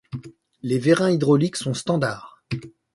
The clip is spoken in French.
Les vérins hydrauliques sont standard.